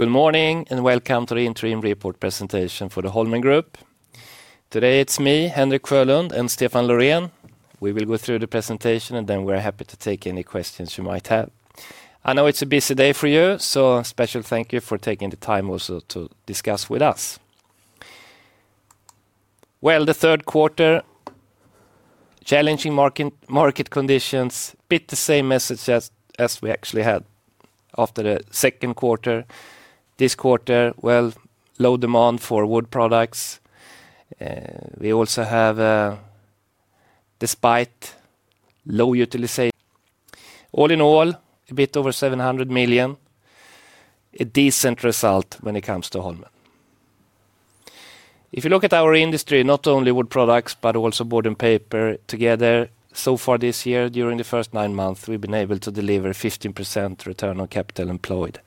Good morning and welcome to the interim report presentation for the Holmen Group. Today it's me, Henrik Sjölund, and Stefan Loréhn. We will go through the presentation, and then we are happy to take any questions you might have. I know it's a busy day for you, so a special thank you for taking the time also to discuss with us. The third quarter, challenging market conditions, a bit the same message as we actually had after the second quarter. This quarter, low demand for wood products. We also have, despite low utilization, all in all, a bit over 700 million. A decent result when it comes to Holmen. If you look at our industry, not only wood products but also board and paper together, so far this year, during the first nine months, we've been able to deliver 15% return on capital employed.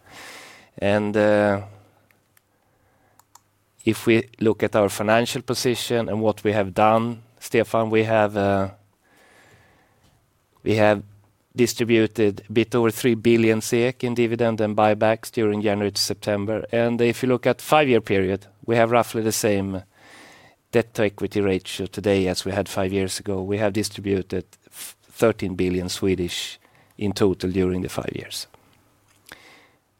If we look at our financial position and what we have done, Stefan, we have distributed a bit over 3 billion in dividends and buybacks during January to September. If you look at the five-year period, we have roughly the same debt-to-equity ratio today as we had five years ago. We have distributed 13 billion in total during the five years.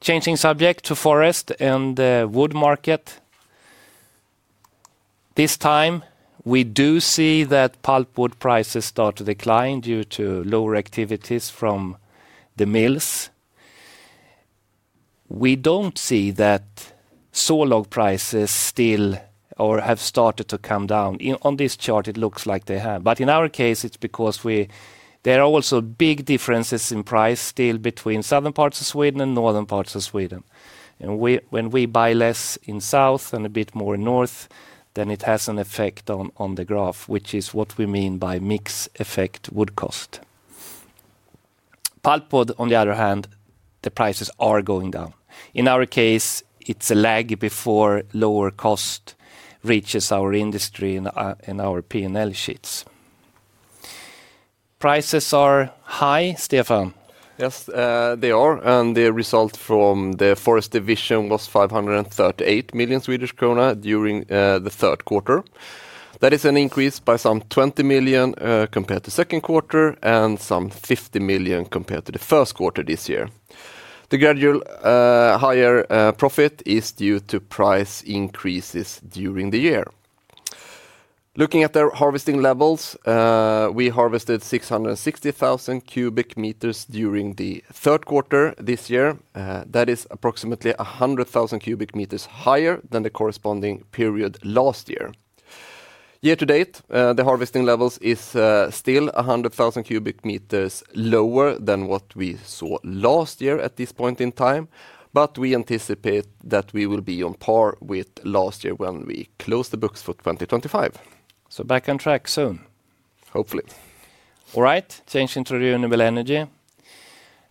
Changing subject to forest and the wood market, this time we do see that pulpwood prices start to decline due to lower activities from the mills. We don't see that sawlog prices still or have started to come down. On this chart, it looks like they have, but in our case, it's because there are also big differences in price still between southern parts of Sweden and northern parts of Sweden. When we buy less in south and a bit more in north, then it has an effect on the graph, which is what we mean by mixed effect wood cost. Pulpwood, on the other hand, the prices are going down. In our case, it's a lag before lower cost reaches our industry and our P&L sheets. Prices are high, Stefan? Yes, they are, and the result from the Forest division was 538 million Swedish krona during the third quarter. That is an increase by some 20 million compared to the second quarter and some 50 million compared to the first quarter this year. The gradual higher profit is due to price increases during the year. Looking at the harvesting levels, we harvested 660,000 cubic meters during the third quarter this year. That is approximately 100,000 cubic meters higher than the corresponding period last year. Year to date, the harvesting levels are still 100,000 cubic meters lower than what we saw last year at this point in time, but we anticipate that we will be on par with last year when we close the books for 2025. Back on track soon. Hopefully. All right, change to renewable energy.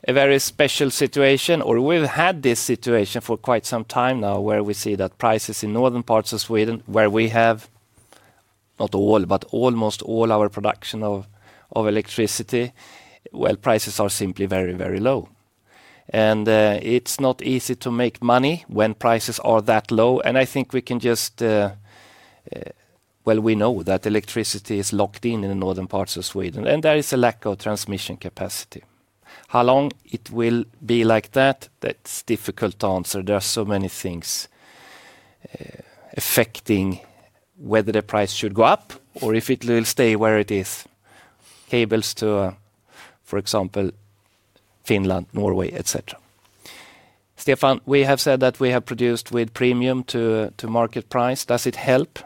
A very special situation, or we've had this situation for quite some time now, where we see that prices in northern parts of Sweden, where we have not all, but almost all our production of electricity, prices are simply very, very low. It's not easy to make money when prices are that low. I think we can just, we know that electricity is locked in in the northern parts of Sweden, and there is a lack of transmission capacity. How long it will be like that, that's difficult to answer. There are so many things affecting whether the price should go up or if it will stay where it is. Cables to, for example, Finland, Norway, etc. Stefan, we have said that we have produced with premium to market price. Does it help?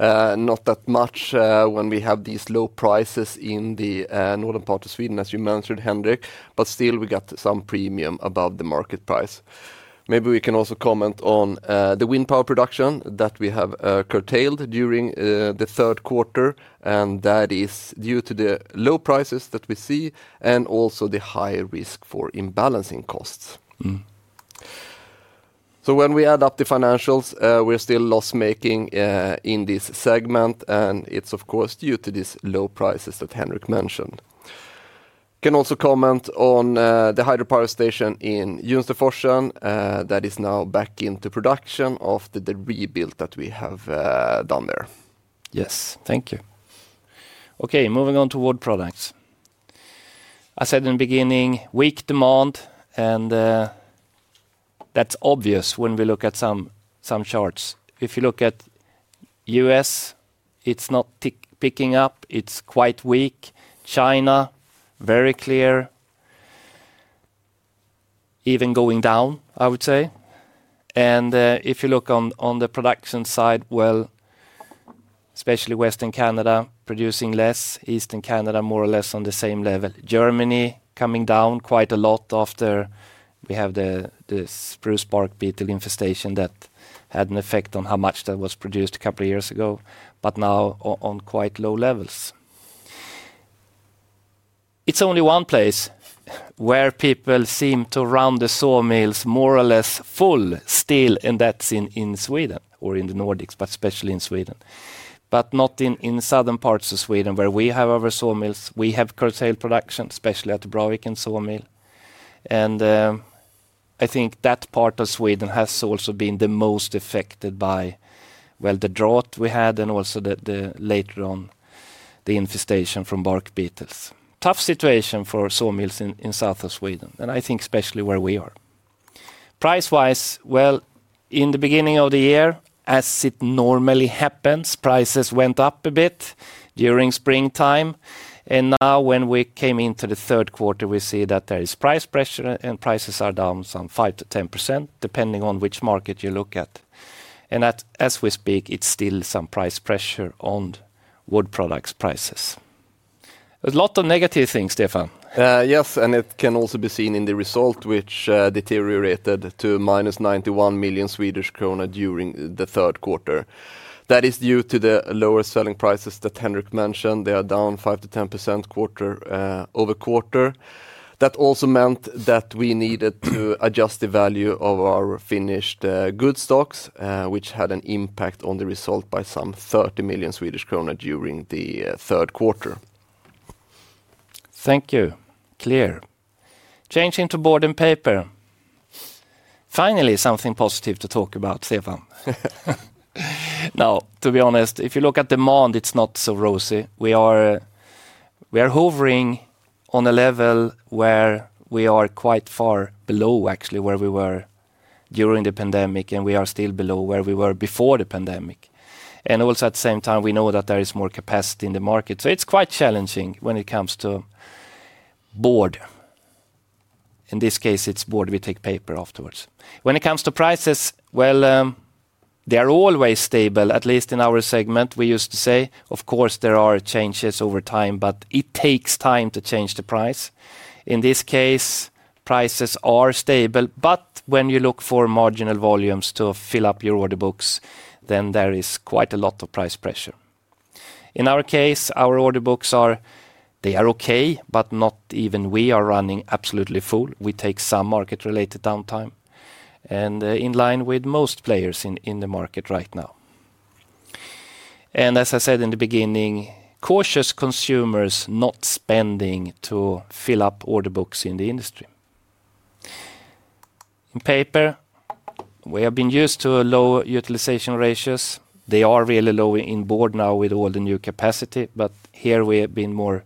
Not that much when we have these low prices in the northern part of Sweden, as you mentioned, Henrik, but still we got some premium above the market price. Maybe we can also comment on the wind power production that we have curtailed during the third quarter, and that is due to the low prices that we see and also the higher risk for imbalancing costs. When we add up the financials, we're still loss-making in this segment, and it's of course due to these low prices that Henrik mentioned. We can also comment on the hydropower station in Jonsforsen that is now back into production after the rebuild that we have done there. Yes, thank you. Okay, moving on to wood products. I said in the beginning, weak demand, and that's obvious when we look at some charts. If you look at the U.S., it's not picking up. It's quite weak. China, very clear, even going down, I would say. If you look on the production side, especially Western Canada producing less, Eastern Canada more or less on the same level. Germany coming down quite a lot after we had the spruce bark beetle infestation that had an effect on how much that was produced a couple of years ago, but now on quite low levels. It's only one place where people seem to run the sawmills more or less full still, and that's in Sweden or in the Nordics, especially in Sweden. Not in southern parts of Sweden where we have our sawmills. We have curtailed production, especially at the Broviken sawmill. I think that part of Sweden has also been the most affected by the drought we had and also later on the infestation from bark beetles. Tough situation for sawmills in south of Sweden, and I think especially where we are. Price-wise, in the beginning of the year, as it normally happens, prices went up a bit during springtime. Now when we came into the third quarter, we see that there is price pressure and prices are down some 5%-10% depending on which market you look at. As we speak, it's still some price pressure on wood products prices. A lot of negative things, Stefan. Yes, it can also be seen in the result, which deteriorated to -91 million Swedish krona during the third quarter. That is due to the lower selling prices that Henrik mentioned. They are down 5%-10% quarter-over-quarter. That also meant that we needed to adjust the value of our finished goods stocks, which had an impact on the result by some 30 million Swedish kronor during the third quarter. Thank you. Clear. Changing to board and paper. Finally, something positive to talk about, Stefan. To be honest, if you look at demand, it's not so rosy. We are hovering on a level where we are quite far below, actually, where we were during the pandemic, and we are still below where we were before the pandemic. At the same time, we know that there is more capacity in the market. It is quite challenging when it comes to board. In this case, it's board. We take paper afterwards. When it comes to prices, they are always stable, at least in our segment. We used to say, of course, there are changes over time, but it takes time to change the price. In this case, prices are stable, but when you look for marginal volumes to fill up your order books, then there is quite a lot of price pressure. In our case, our order books are, they are okay, but not even we are running absolutely full. We take some market-related downtime, in line with most players in the market right now. As I said in the beginning, cautious consumers not spending to fill up order books in the industry. In paper, we have been used to low utilization ratios. They are really low in board now with all the new capacity, but here we have been more,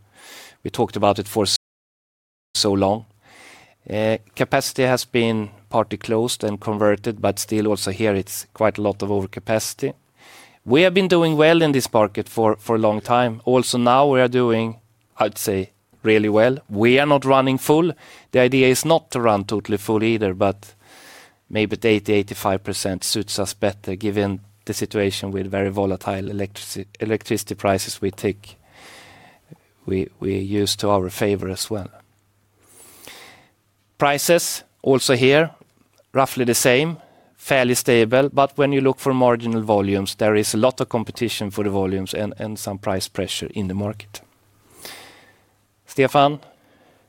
we talked about it for so long. Capacity has been partly closed and converted, but still also here it's quite a lot of overcapacity. We have been doing well in this market for a long time. Also now we are doing, I would say, really well. We are not running full. The idea is not to run totally full either, but maybe 80%-85% suits us better given the situation with very volatile electricity prices we use to our favor as well. Prices also here, roughly the same, fairly stable, but when you look for marginal volumes, there is a lot of competition for the volumes and some price pressure in the market. Stefan?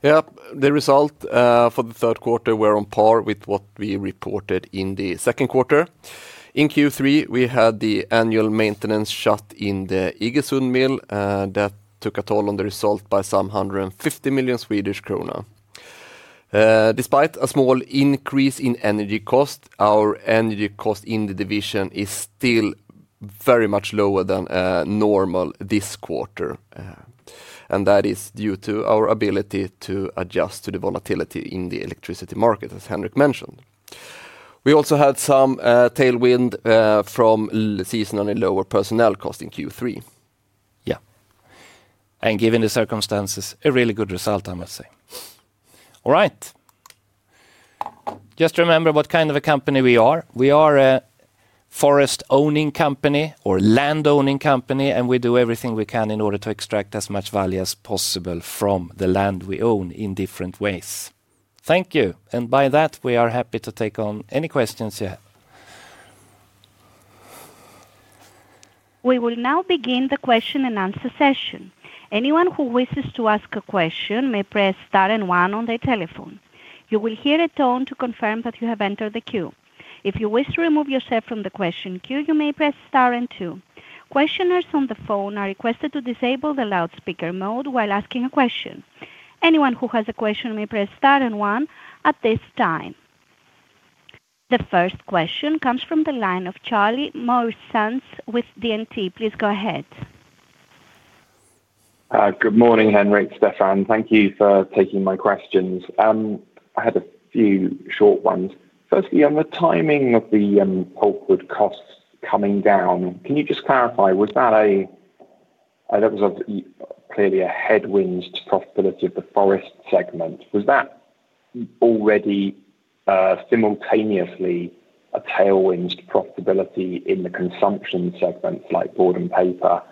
Yeah, the result for the third quarter, we're on par with what we reported in the second quarter. In Q3, we had the annual maintenance shutdown in the Igesund mill that took a toll on the result by some 150 million Swedish krona. Despite a small increase in energy cost, our energy cost in the division is still very much lower than normal this quarter. That is due to our ability to adjust to the volatility in the electricity market, as Henrik mentioned. We also had some tailwind from seasonally lower personnel cost in Q3. Yeah. Given the circumstances, a really good result, I must say. All right. Just remember what kind of a company we are. We are a forest owning company or land owning company, and we do everything we can in order to extract as much value as possible from the land we own in different ways. Thank you. By that, we are happy to take on any questions you have. We will now begin the question-and-answer session. Anyone who wishes to ask a question may press star and one on their telephone. You will hear a tone to confirm that you have entered the queue. If you wish to remove yourself from the question queue, you may press star and two. Questioners on the phone are requested to disable the loudspeaker mode while asking a question. Anyone who has a question may press star and one at this time. The first question comes from the line of Charlie Morrisons with DNB. Please go ahead. Good morning, Henrik, Stefan. Thank you for taking my questions. I had a few short ones. Firstly, on the timing of the pulpwood costs coming down, can you just clarify, was that a, that was clearly a headwind to profitability of the forest segment? Was that already simultaneously a tailwind to profitability in the consumption segments like board and paper,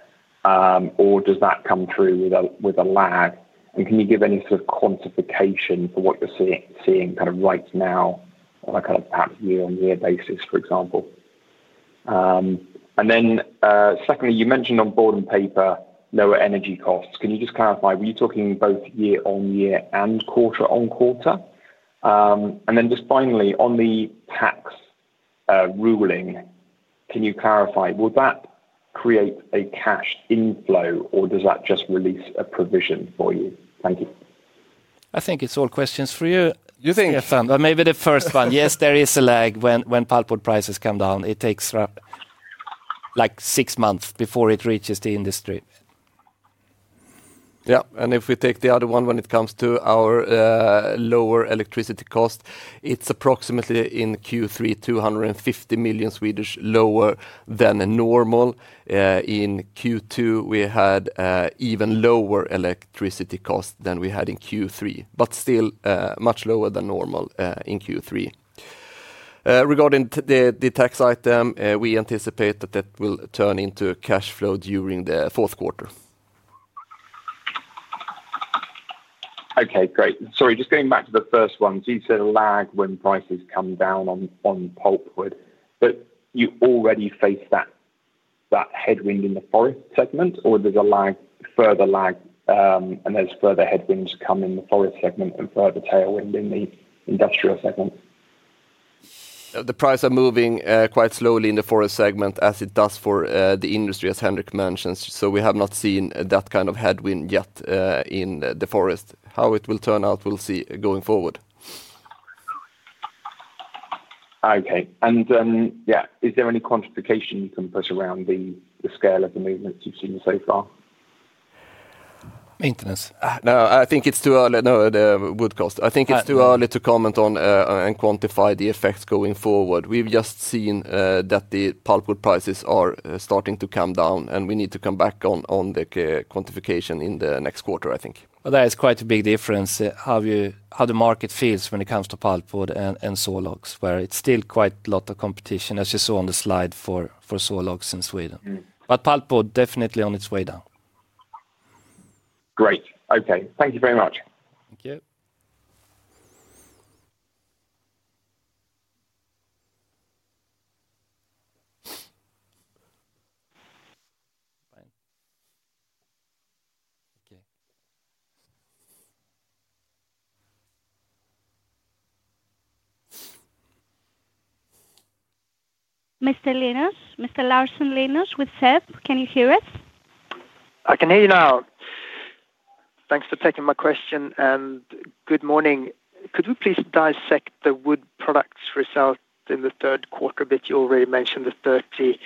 or does that come through with a lag? Can you give any sort of quantification for what you're seeing kind of right now on a kind of perhaps year-on-year basis, for example? Secondly, you mentioned on board and paper lower energy costs. Can you just clarify, were you talking both year-on-year and quarter-on-quarter? Finally, on the tax ruling, can you clarify, would that create a cash inflow or does that just release a provision for you? Thank you. I think it's all questions for you. Do you think, Stefan? Maybe the first one. Yes, there is a lag when pulpwood prices come down. It takes like six months before it reaches the industry. If we take the other one, when it comes to our lower electricity cost, it's approximately in Q3, 250 million lower than normal. In Q2, we had even lower electricity costs than we had in Q3, but still much lower than normal in Q3. Regarding the tax item, we anticipate that that will turn into a cash flow during the fourth quarter. Okay, great. Sorry, just going back to the first one. You said a lag when prices come down on pulpwood, but you already face that headwind in the forest segment, or there's a lag, further lag, and there's further headwinds coming in the forest segment and further tailwind in the industrial segment? The price is moving quite slowly in the forest segment as it does for the industry, as Henrik mentioned. We have not seen that kind of headwind yet in the forest. How it will turn out, we'll see going forward. Is there any quantification you can put around the scale of the movements you've seen so far? Maintenance. No, I think it's too early. No, the wood cost, I think it's too early to comment on and quantify the effects going forward. We've just seen that the pulpwood prices are starting to come down, and we need to come back on the quantification in the next quarter, I think. That is quite a big difference how the market feels when it comes to pulpwood and sawlogs, where it's still quite a lot of competition, as you saw on the slide for sawlogs in Sweden. Pulpwood is definitely on its way down. Great. Okay, thank you very much. Thank you. Mr. Linus Larsson with SEB, can you hear us? I can hear you now. Thanks for taking my question and good morning. Could we please dissect the wood products result in the third quarter that you already mentioned, the 30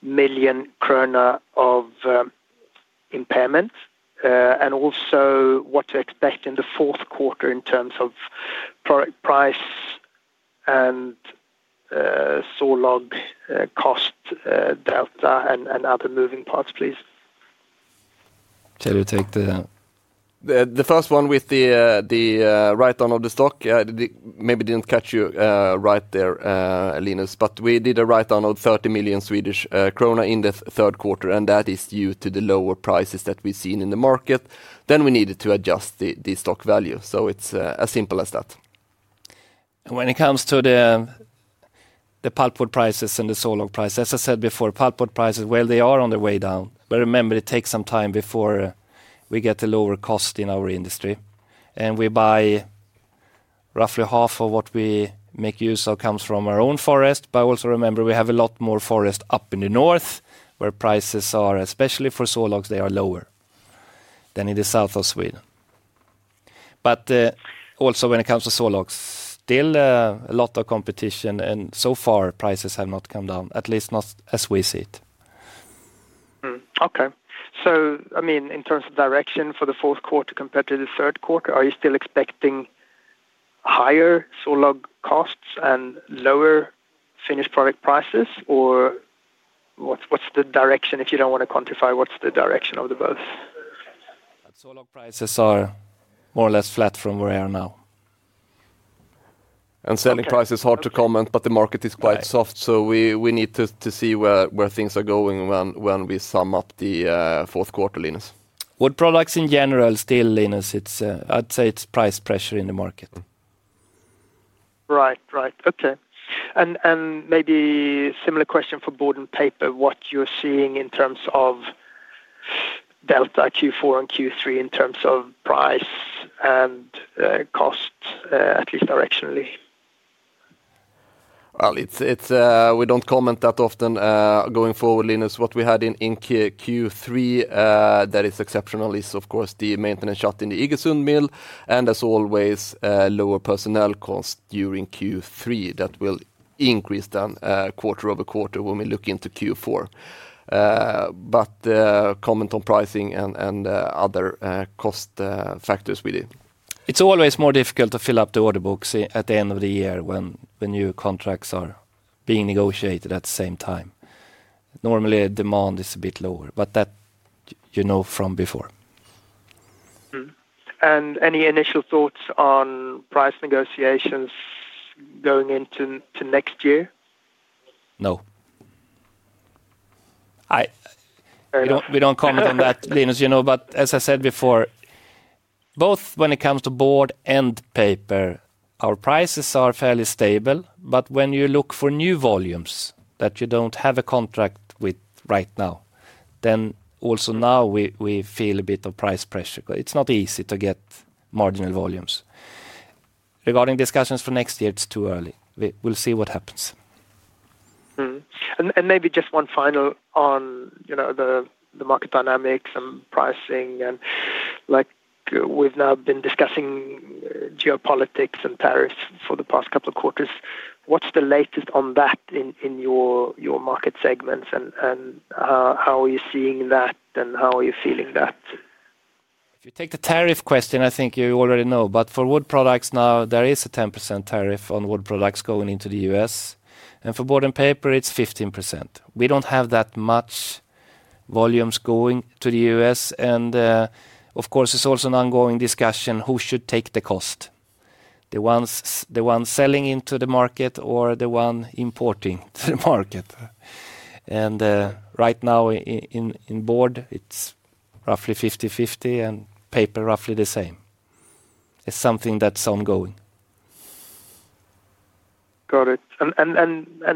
million krona of impairment, and also what to expect in the fourth quarter in terms of product price and sawlog cost delta and other moving parts, please. Tell you to take the. The first one with the write-down of the stock, maybe it didn't catch you right there, Linus, but we did a write-down of 30 million Swedish krona in the third quarter, and that is due to the lower prices that we've seen in the market. We needed to adjust the stock value. It's as simple as that. When it comes to the pulpwood prices and the sawlog prices, as I said before, pulpwood prices are on their way down, but remember it takes some time before we get a lower cost in our industry. We buy roughly half of what we make use of from our own forest, but also remember we have a lot more forest up in the north where prices are, especially for sawlogs, lower than in the south of Sweden. Also, when it comes to sawlogs, there is still a lot of competition and so far prices have not come down, at least not as we see it. Okay, so in terms of direction for the fourth quarter compared to the third quarter, are you still expecting higher saw log costs and lower finished product prices, or what's the direction? If you don't want to quantify, what's the direction of both? Saw log prices are more or less flat from where they are now. Selling prices are hard to comment, but the market is quite soft. We need to see where things are going when we sum up the fourth quarter, Linus. Wood products in general, still, Linus, I'd say it's price pressure in the market. Right, okay. Maybe a similar question for board and paper, what you're seeing in terms of delta Q4 and Q3 in terms of price and cost, at least directionally? We don't comment that often going forward, Linus. What we had in Q3 that is exceptional is, of course, the maintenance shutdown in the Igesund mill and, as always, lower personnel costs during Q3 that will increase then quarter-over-quarter when we look into Q4. Comment on pricing and other cost factors we did. It's always more difficult to fill up the order books at the end of the year when new contracts are being negotiated at the same time. Normally, demand is a bit lower, but that you know from before. have any initial thoughts on price negotiations going into next year? No. We don't comment on that, Linus, you know, but as I said before, both when it comes to board and paper, our prices are fairly stable. When you look for new volumes that you don't have a contract with right now, then also now we feel a bit of price pressure. It's not easy to get marginal volumes. Regarding discussions for next year, it's too early. We'll see what happens. Maybe just one final on the market dynamics and pricing. We've now been discussing geopolitics and tariffs for the past couple of quarters. What's the latest on that in your market segments, and how are you seeing that and how are you feeling that? If you take the tariff question, I think you already know, but for wood products now, there is a 10% tariff on wood products going into the U.S. For board and paper, it's 15%. We don't have that much volumes going to the U.S., and of course, it's also an ongoing discussion who should take the cost, the ones selling into the market or the one importing to the market. Right now in board, it's roughly 50/50 and paper roughly the same. It's something that's ongoing. Got it.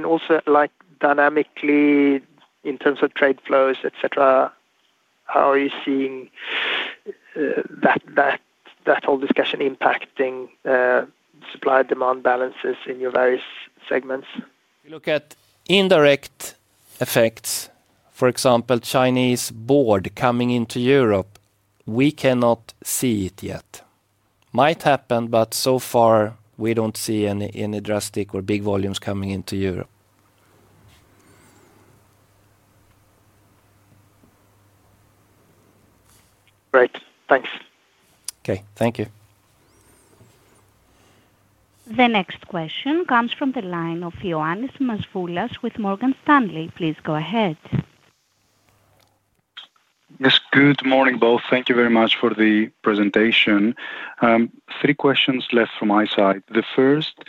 Also, like dynamically in terms of trade flows, etc., how are you seeing that whole discussion impacting supply-demand balances in your various segments? We look at indirect effects. For example, Chinese board coming into Europe, we cannot see it yet. It might happen, but so far we don't see any drastic or big volumes coming into Europe. Great. Thanks. Okay, thank you. The next question comes from the line of Ioannis Masvoulas with Morgan Stanley. Please go ahead. Yes, good morning both. Thank you very much for the presentation. Three questions left from my side. The first,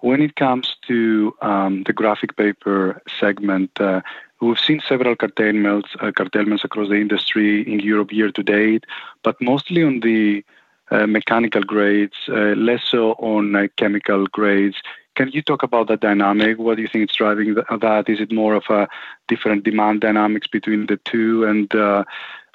when it comes to the graphic paper segment, we've seen several curtailments across the industry in Europe year to date, but mostly on the mechanical grades, less so on chemical grades. Can you talk about that dynamic? What do you think is driving that? Is it more of a different demand dynamics between the two?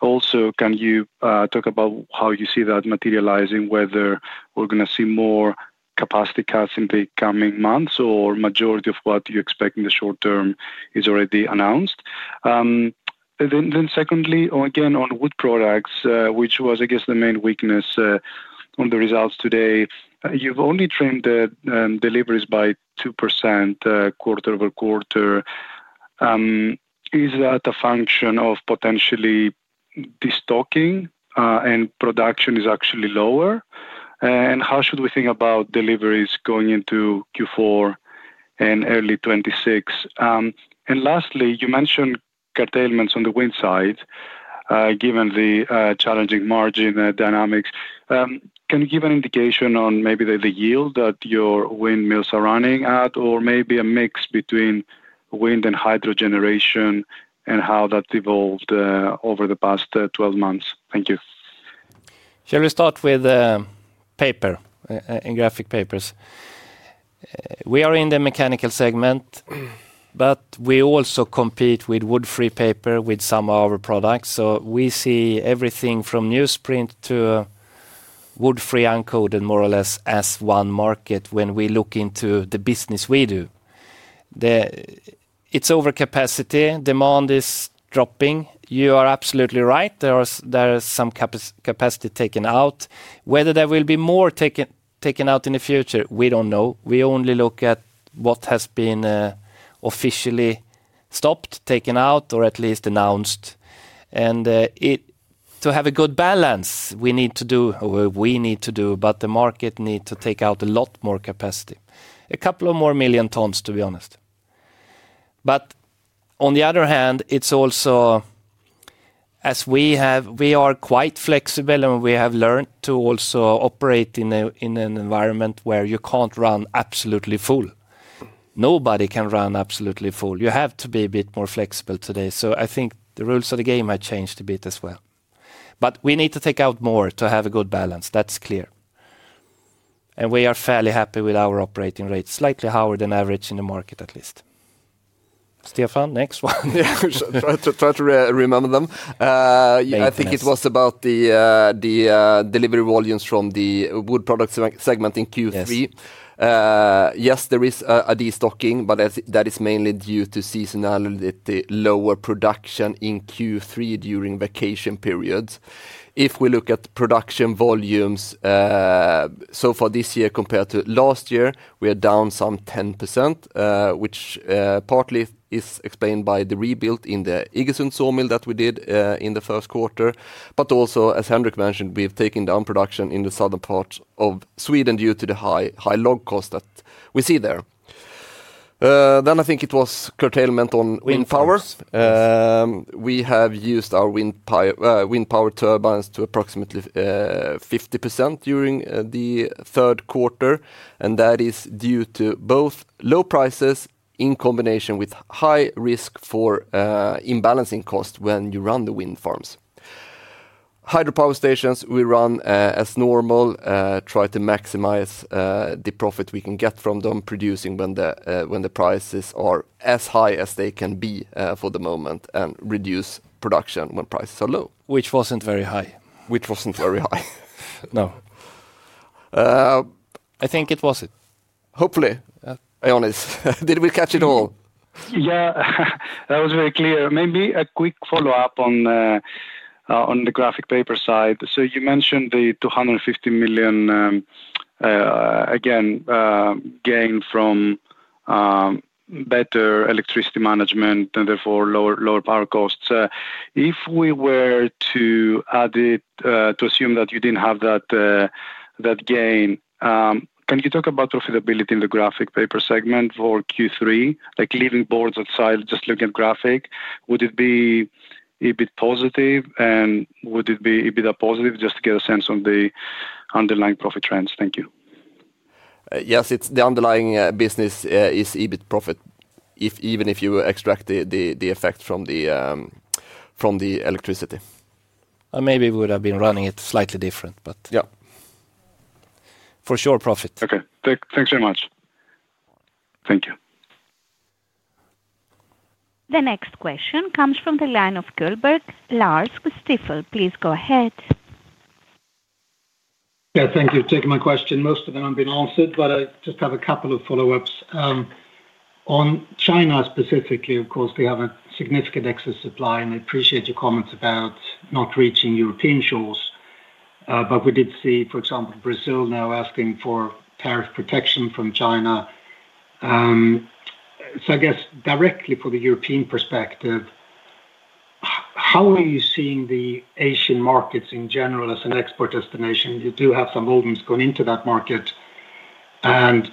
Also, can you talk about how you see that materializing, whether we're going to see more capacity cuts in the coming months or the majority of what you expect in the short term is already announced? Secondly, again, on wood products, which was, I guess, the main weakness on the results today, you've only trimmed the deliveries by 2% quarter-over-quarter. Is that a function of potentially destocking and production is actually lower? How should we think about deliveries going into Q4 and early 2026? Lastly, you mentioned curtailments on the wind side, given the challenging margin dynamics. Can you give an indication on maybe the yield that your windmills are running at, or maybe a mix between wind and hydro generation and how that evolved over the past 12 months? Thank you. Shall we start with paper and graphic papers? We are in the mechanical segment, but we also compete with wood-free paper with some of our products. We see everything from newsprint to wood-free uncoated, more or less, as one market when we look into the business we do. It's overcapacity. Demand is dropping. You are absolutely right. There is some capacity taken out. Whether there will be more taken out in the future, we don't know. We only look at what has been officially stopped, taken out, or at least announced. To have a good balance, we need to do what we need to do, but the market needs to take out a lot more capacity. A couple of more million tons, to be honest. On the other hand, we are quite flexible and we have learned to also operate in an environment where you can't run absolutely full. Nobody can run absolutely full. You have to be a bit more flexible today. I think the rules of the game have changed a bit as well. We need to take out more to have a good balance. That's clear. We are fairly happy with our operating rates, slightly higher than average in the market, at least. Stefan, next one. Try to remember them. I think it was about the delivery volumes from the wood products segment in Q3. Yes, there is a destocking, but that is mainly due to seasonality, lower production in Q3 during vacation periods. If we look at production volumes so far this year compared to last year, we are down some 10%, which partly is explained by the rebuild in the Igesund sawmill that we did in the first quarter. Also, as Henrik mentioned, we've taken down production in the southern part of Sweden due to the high log cost that we see there. I think it was curtailment on wind power. We have used our wind power turbines to approximately 50% during the third quarter. That is due to both low prices in combination with high risk for imbalancing costs when you run the wind farms. Hydropower stations, we run as normal, try to maximize the profit we can get from them, producing when the prices are as high as they can be for the moment and reduce production when prices are low. Which wasn't very high. Which wasn't very high. No. I think that was it. Hopefully. Did we catch it all? That was very clear. Maybe a quick follow-up on the graphic paper side. You mentioned the 250 million gain from better electricity management and therefore lower power costs. If we were to add it, to assume that you didn't have that gain, can you talk about profitability in the graphic paper segment for Q3, leaving boards outside, just looking at graphic? Would it be a bit positive, and would it be a bit positive just to get a sense on the underlying profit trends? Thank you. Yes, the underlying business is a bit profit, even if you extract the effect from the electricity. Maybe it would have been running it slightly different, but for sure profit. Okay, thanks very much. Thank you. The next question comes from the line of Lars Kjellberg with Stifel. Please go ahead. Yeah, thank you. I've taken my question. Most of them have been answered, but I just have a couple of follow-ups. On China specifically, of course, we have a significant excess supply and I appreciate your comments about not reaching European shores. We did see, for example, Brazil now asking for tariff protection from China. I guess directly for the European perspective, how are you seeing the Asian markets in general as an export destination? You do have some volumes going into that market and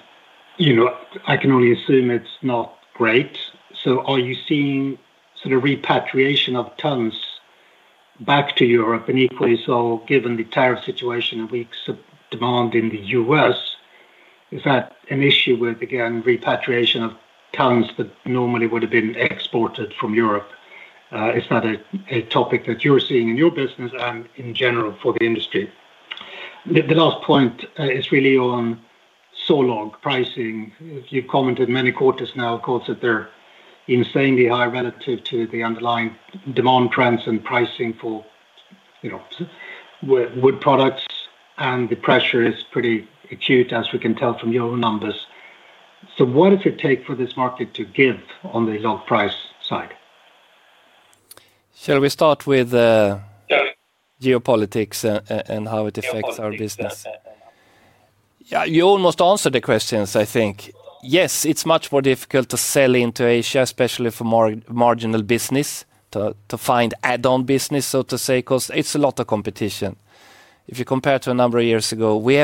you know I can only assume it's not great. Are you seeing sort of repatriation of tons back to Europe and equally so given the tariff situation and weeks of demand in the U.S.? Is that an issue with, again, repatriation of tons that normally would have been exported from Europe? Is that a topic that you're seeing in your business and in general for the industry? The last point is really on sawlog pricing. You've commented many quarters now, of course, that they're insanely high relative to the underlying demand trends and pricing for wood products and the pressure is pretty acute as we can tell from your numbers. What does it take for this market to give on the log price side? Shall we start with geopolitics and how it affects our business? Yeah, you almost answered the questions, I think. Yes, it's much more difficult to sell into Asia, especially for marginal business, to find add-on business, so to say, because it's a lot of competition. If you compare to a number of years ago, we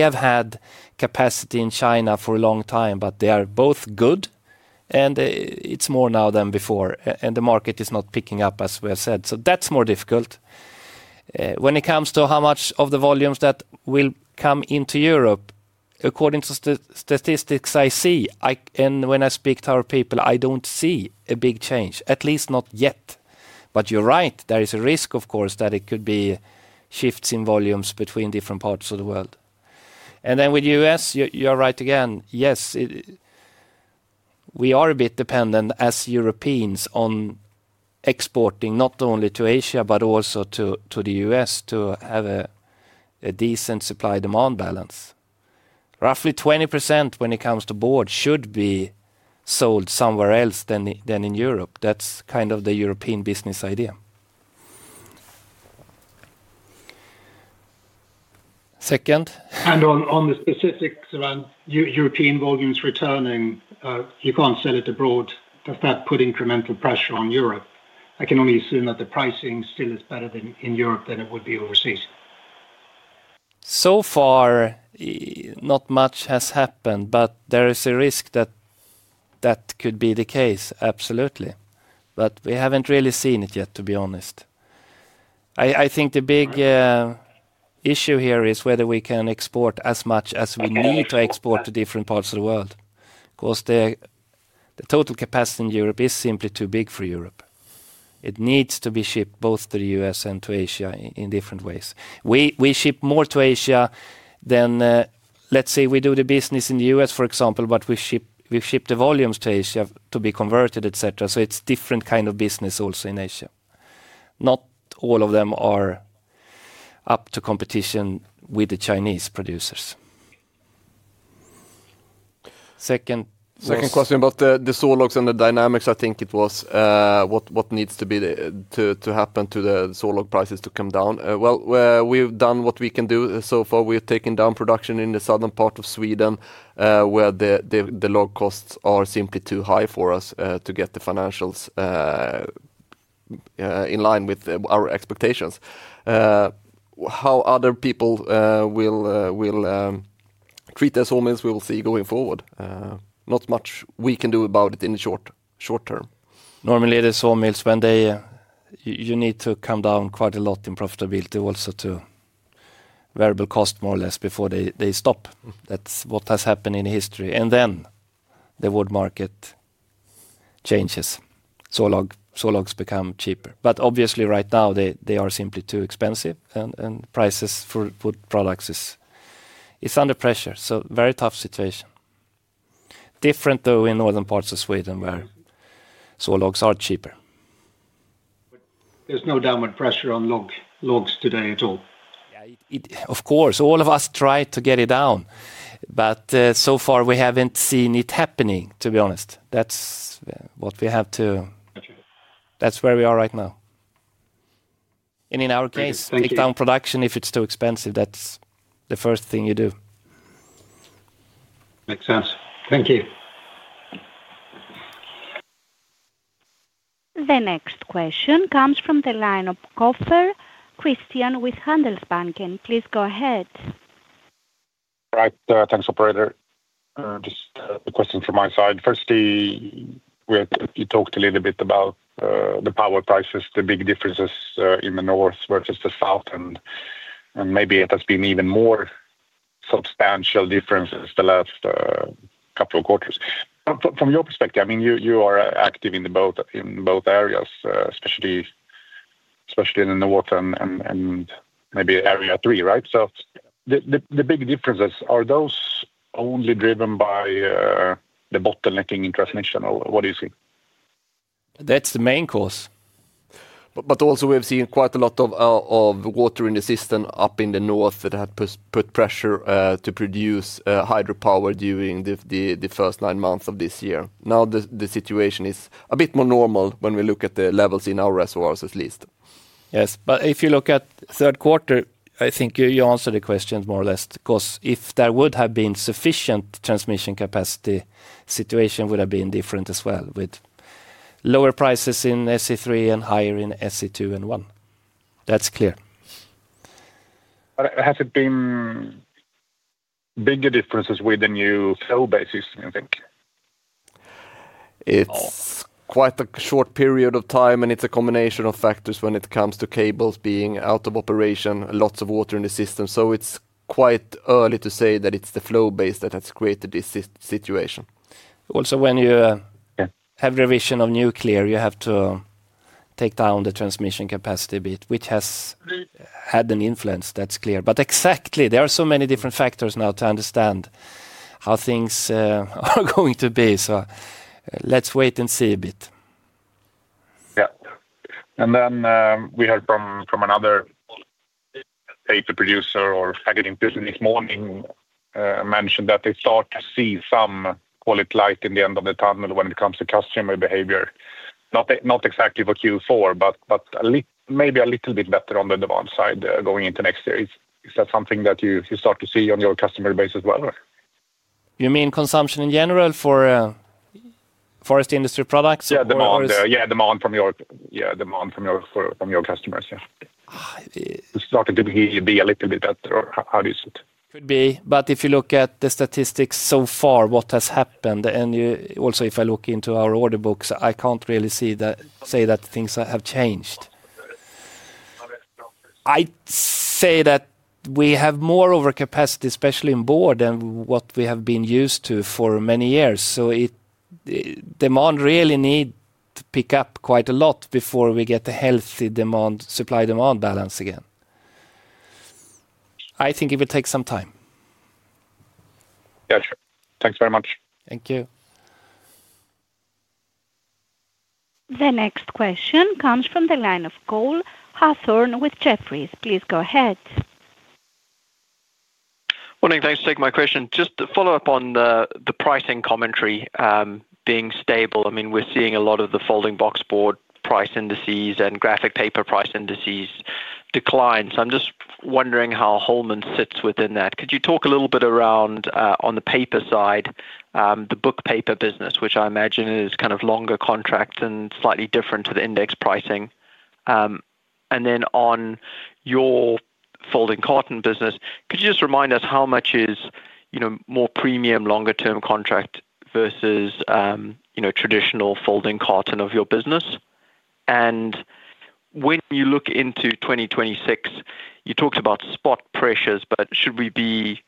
have had capacity in China for a long time, but they are both good and it's more now than before, and the market is not picking up as we have said. That's more difficult. When it comes to how much of the volumes that will come into Europe, according to the statistics I see, and when I speak to our people, I don't see a big change, at least not yet. You're right, there is a risk, of course, that it could be shifts in volumes between different parts of the world. With the U.S., you're right again. Yes, we are a bit dependent as Europeans on exporting not only to Asia, but also to the U.S. to have a decent supply-demand balance. Roughly 20% when it comes to board should be sold somewhere else than in Europe. That's kind of the European business idea. Second? And. On the specifics around European volumes returning, you can't sell it abroad. Does that put incremental pressure on Europe? I can only assume that the pricing still is better in Europe than it would be overseas. Not much has happened, but there is a risk that that could be the case, absolutely. We haven't really seen it yet, to be honest. I think the big issue here is whether we can export as much as we need to export to different parts of the world because the total capacity in Europe is simply too big for Europe. It needs to be shipped both to the U.S. and to Asia in different ways. We ship more to Asia than, let's say, we do the business in the U.S., for example, but we ship the volumes to Asia to be converted, etc. It's a different kind of business also in Asia. Not all of them are up to competition with the Chinese producers. Second. Second question about the saw logs and the dynamics, I think it was what needs to happen to the saw log prices to come down. We've done what we can do so far. We've taken down production in the southern part of Sweden where the log costs are simply too high for us to get the financials in line with our expectations. How other people will treat their saw mills, we will see going forward. Not much we can do about it in the short term. Normally, the sawmills, when they need to come down quite a lot in profitability also to variable cost, more or less, before they stop. That's what has happened in history. Then the wood market changes. Saw logs become cheaper. Obviously, right now, they are simply too expensive, and prices for wood products are under pressure. A very tough situation. Different though in northern parts of Sweden where saw logs are cheaper. There is no downward pressure on logs today at all. Of course, all of us try to get it down. So far, we haven't seen it happening, to be honest. That's what we have to do. That's where we are right now. In our case, take down production if it's too expensive. That's the first thing you do. Makes sense. Thank you. The next question comes from the line of Christian Kopfer with Handelsbanken. Please go ahead. Right. Thanks, operator. Just a question from my side. Firstly, you talked a little bit about the power prices, the big differences in the north versus the south, and maybe it has been even more substantial differences the last couple of quarters. From your perspective, I mean, you are active in both areas, especially in the north and maybe area three, right? The big differences, are those only driven by the bottlenecking in transmission? What do you see? That's the main cause. We have seen quite a lot of water in the system up in the north that had put pressure to produce hydropower during the first nine months of this year. Now the situation is a bit more normal when we look at the levels in our reservoirs, at least. Yes, but if you look at the third quarter, I think you answered the questions more or less, because if there would have been sufficient transmission capacity, the situation would have been different as well, with lower prices in SC3 and higher in SC2 and 1. That's clear. Has it been bigger differences with the new flow-based system, you think? It's quite a short period of time, and it's a combination of factors when it comes to cables being out of operation, lots of water in the system. It's quite early to say that it's the flow-based that has created this situation. Also, when you have a revision of nuclear, you have to take down the transmission capacity a bit, which has had an influence. That is clear. There are so many different factors now to understand how things are going to be. Let's wait and see a bit. Yeah. We heard from another paper producer or aggregate business this morning mentioned that they start to see some, call it, light in the end of the tunnel when it comes to customer behavior. Not exactly for Q4, but maybe a little bit better on the demand side going into next year. Is that something that you start to see on your customer base as well? You mean consumption in general for forest industry products? Yeah, demand from your customers, it started to be a little bit better. How do you see it? Could be, but if you look at the statistics so far, what has happened, and also if I look into our order books, I can't really say that things have changed. I'd say that we have more overcapacity, especially in board, than what we have been used to for many years. Demand really needs to pick up quite a lot before we get a healthy supply-demand balance again. I think it will take some time. Yeah, sure. Thanks very much. Thank you. The next question comes from the line of Cole Hawthorne with Jefferies. Please go ahead. Morning, thanks for taking my question. Just to follow up on the pricing commentary being stable, I mean, we're seeing a lot of the folding box board price indices and graphic paper price indices decline. I'm just wondering how Holmen sits within that. Could you talk a little bit around on the paper side, the book paper business, which I imagine is kind of longer contracts and slightly different to the index pricing? On your folding carton business, could you just remind us how much is more premium longer-term contract versus traditional folding carton of your business? When you look into 2026, you talked about spot pressures, but should we be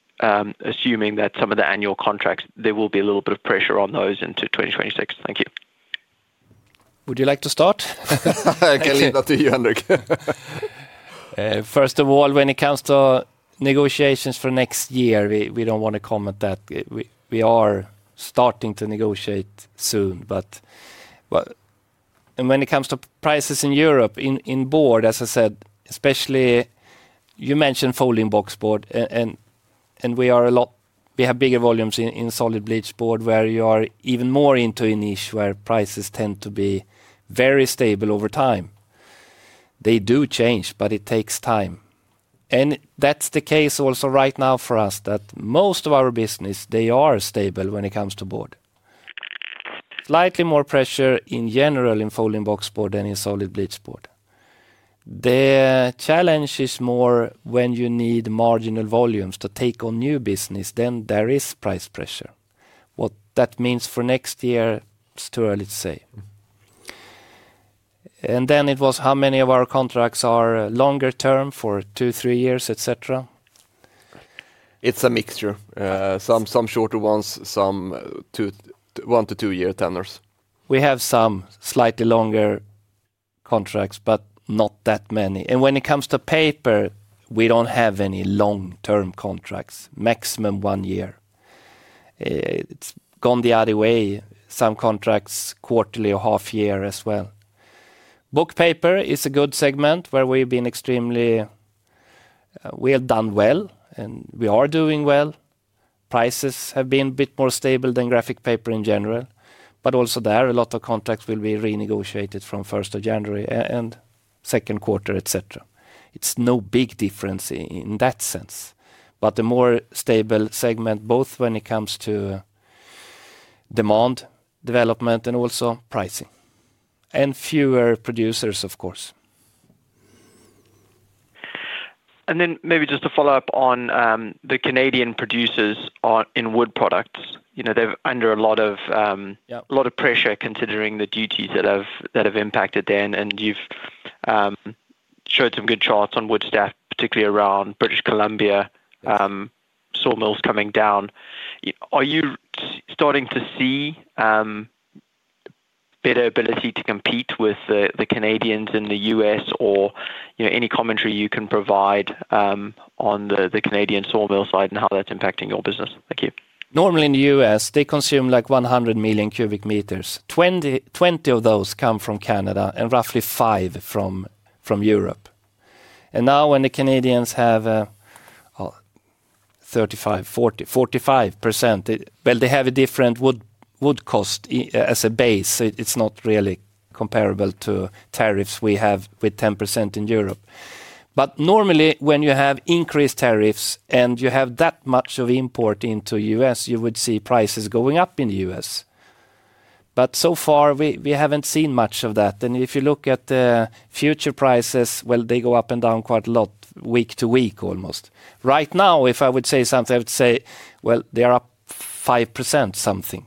assuming that some of the annual contracts, there will be a little bit of pressure on those into 2026? Thank you. Would you like to start? I can leave that to you, Henrik. First of all, when it comes to negotiations for next year, we don't want to comment that we are starting to negotiate soon. When it comes to prices in Europe, in board, as I said, especially you mentioned folding box board, and we have bigger volumes in solid bleach board where you are even more into a niche where prices tend to be very stable over time. They do change, but it takes time. That's the case also right now for us that most of our business, they are stable when it comes to board. There is slightly more pressure in general in folding box board than in solid bleach board. The challenge is more when you need marginal volumes to take on new business, then there is price pressure. What that means for next year, it's too early to say. It was how many of our contracts are longer term for two, three years, etc. It's a mixture. Some shorter ones, some one to two-year tenures. We have some slightly longer contracts, but not that many. When it comes to paper, we don't have any long-term contracts, maximum one year. It's gone the other way. Some contracts are quarterly or half-year as well. Book paper is a good segment where we've been extremely, we've done well, and we are doing well. Prices have been a bit more stable than graphic paper in general, but also there a lot of contracts will be renegotiated from January 1 and second quarter, etc. It's no big difference in that sense. The more stable segment is both when it comes to demand development and also pricing. Fewer producers, of course. Maybe just to follow up on the Canadian producers in wood products, you know, they're under a lot of pressure considering the duties that have impacted there. You showed some good charts on Woodstaff, particularly around British Columbia, sawmills coming down. Are you starting to see a better ability to compete with the Canadians in the U.S., or any commentary you can provide on the Canadian sawmill side and how that's impacting your business? Thank you. Normally in the U.S., they consume like 100 million cubic meters. 20 of those come from Canada and roughly five from Europe. Now, when the Canadians have 35%, 40%, 45%, they have a different wood cost as a base. It's not really comparable to tariffs we have with 10% in Europe. Normally, when you have increased tariffs and you have that much of import into the U.S., you would see prices going up in the U.S. So far, we haven't seen much of that. If you look at the future prices, they go up and down quite a lot, week to week almost. Right now, if I would say something, I would say they're up 5% or something.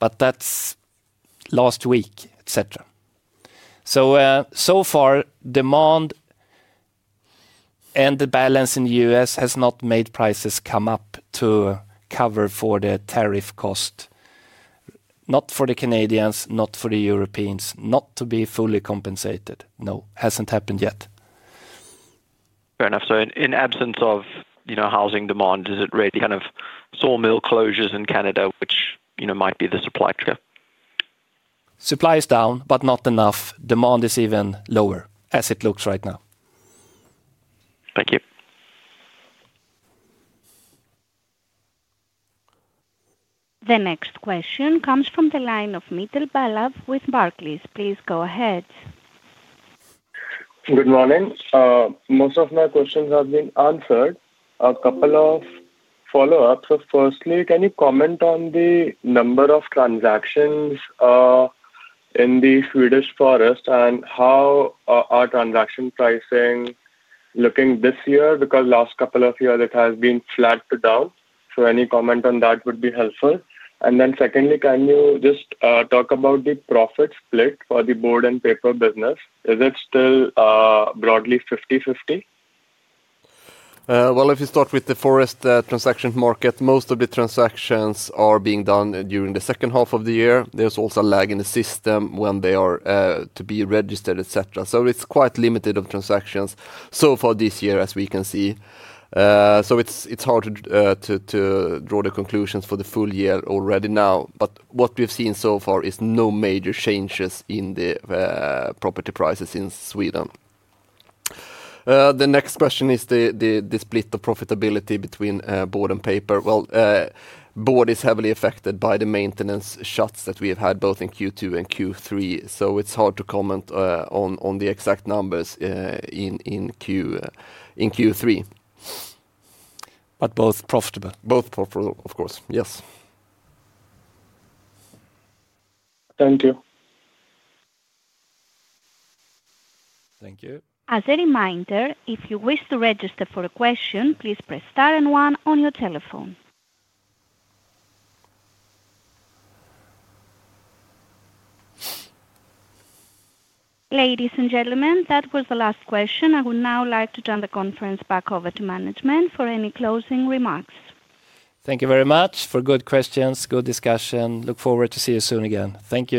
That's last week, etc. So far, demand and the balance in the U.S. has not made prices come up to cover for the tariff cost. Not for the Canadians, not for the Europeans, not to be fully compensated. No, it hasn't happened yet. Fair enough. In absence of housing demand, is it really kind of sawmill closures in Canada, which might be the supply trigger? Supply is down, but not enough. Demand is even lower as it looks right now. Thank you. The next question comes from the line of Mittal Palav with Barclays. Please go ahead. Good morning. Most of my questions have been answered. A couple of follow-ups. Firstly, can you comment on the number of transactions in the Swedish forest and how are transaction pricing looking this year? Because the last couple of years it has been flat to down. Any comment on that would be helpful. Secondly, can you just talk about the profit split for the board and paper business? Is it still broadly 50/50? If you start with the forest transaction market, most of the transactions are being done during the second half of the year. There's also a lag in the system when they are to be registered, etc. It's quite limited of transactions so far this year, as we can see. It's hard to draw the conclusions for the full year already now. What we've seen so far is no major changes in the property prices in Sweden. The next question is the split of profitability between board and paper. Board is heavily affected by the maintenance shuts that we have had both in Q2 and Q3. It's hard to comment on the exact numbers in Q3. Both profitable. Both profitable, of course. Yes. Thank you. Thank you. As a reminder, if you wish to register for a question, please press star and one on your telephone. Ladies and gentlemen, that was the last question. I would now like to turn the conference back over to management for any closing remarks. Thank you very much for good questions, good discussion. Look forward to seeing you soon again. Thank you.